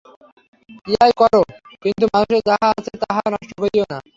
ইহাই কর, কিন্তু মানুষের যাহা আছে, তাহা নষ্ট করিও না।